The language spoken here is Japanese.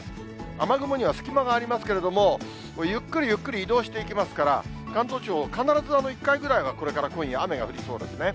雨雲には隙間がありますけれども、ゆっくりゆっくり移動していきますから、関東地方、必ず一回ぐらいはこれから今夜、雨が降りそうですね。